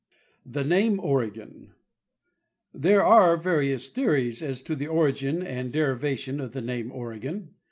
The Name Oregon. There are various theories as to the origin and derivation of the name " Oregon."